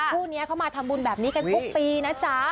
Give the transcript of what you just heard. คู่นี้เขามาทำบุญแบบนี้กันทุกปีนะจ๊ะ